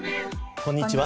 こんにちは。